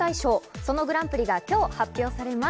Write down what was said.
そのグランプリが今日、発表されます。